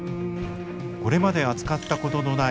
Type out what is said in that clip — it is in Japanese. これまで扱ったことのない